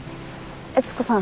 悦子さん。